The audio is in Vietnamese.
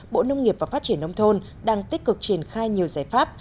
bộ nông nghiệp và phát triển nông thôn đang tích cực triển khai nhiều giải pháp